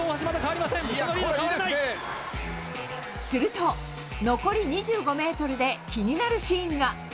すると残り２５ｍで気になるシーンが。